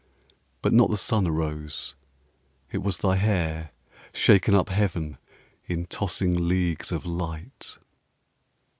But not the sun arose: it was thy hair Shaken up heaven in tossing leagues of light.